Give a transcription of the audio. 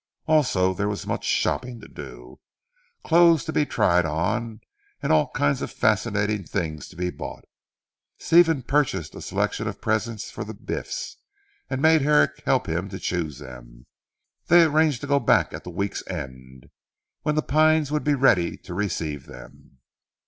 Also there was much shopping to do, clothes to be tried on, and all kinds of fascinating things to be bought. Stephen purchased a selection of presents for the Biffs, and made Herrick help him to choose them. They arranged to go back at the week's end, when "The Pines" would be ready to receive them.